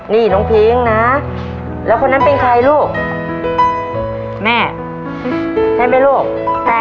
นี่น้องพิ้งนะแล้วคนนั้นเป็นใครลูกแม่ใช่ไหมลูก